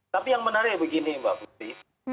tapi yang menarik begini mbak putri